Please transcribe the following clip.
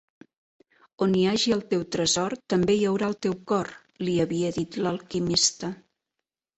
"On hi hagi el teu tresor, també hi haurà el teu cor" li havia dit l'alquimista.